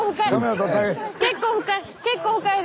結構深い。